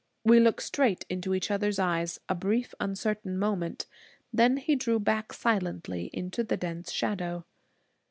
We looked straight into each other's eyes a brief, uncertain moment. Then he drew back silently into the dense shadow.